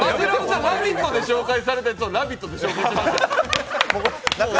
「ラヴィット！」で紹介したやつを「ラヴィット！」で紹介してたから。